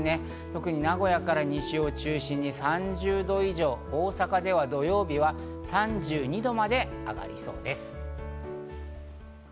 特に名古屋から西を中心に３０度以上、大阪では土曜日は３２度まで上がりそうです。